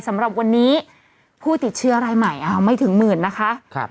สำหรับวันนี้ผู้ติดเชื้อรายใหม่ไม่ถึงหมื่นนะคะ